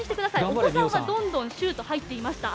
お子さんは、どんどんシュートが入っていました。